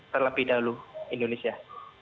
terlebih dahulu indonesia